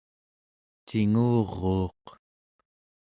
cinguruuq